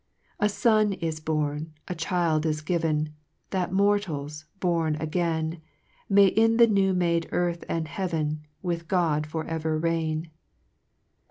2 A Son is born, a child is given, That mortals, born again, May in the new made earth and heaven, With God for ever reign.